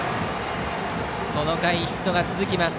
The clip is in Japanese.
この回、ヒットが続きます。